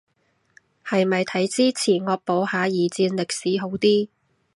係咪睇之前惡補下二戰歷史好啲